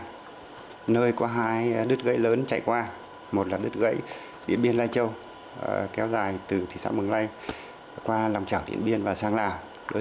điện biên là nơi có hai đứt gãy lớn chạy qua một là đứt gãy điện biên lai châu kéo dài từ thị xã mường lai qua lòng trảo điện biên và sang lào